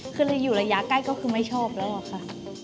คือเราอยู่ระยะใกล้ก็คือไม่ชอบแล้วอะค่ะ